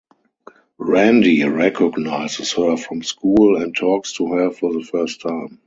Randy recognizes her from school and talks to her for the first time.